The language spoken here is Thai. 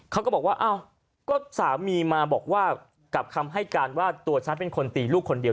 เขาก็บอกว่าอ้าวก็สามีมาบอกว่ากับคำให้การว่าตัวฉันเป็นคนตีลูกคนเดียว